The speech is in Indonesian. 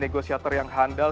negosiator yang handal